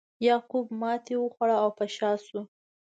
یعقوب ماتې وخوړه او په شا شو.